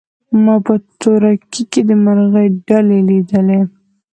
ما په تور کي د مرغۍ ډلي لیدلې